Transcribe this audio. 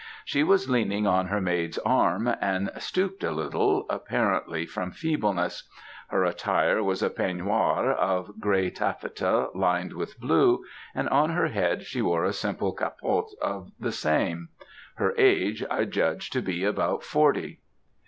She was leaning on her maid's arm, and stooped a little, apparently from feebleness. Her attire was a peignoir of grey taffetas, lined with blue, and on her head she wore a simple capote of the same. Her age, I judged to be about forty.